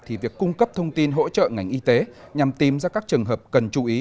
thì việc cung cấp thông tin hỗ trợ ngành y tế nhằm tìm ra các trường hợp cần chú ý